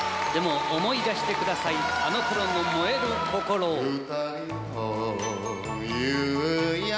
でも思い出してくださいあの頃の燃える心を。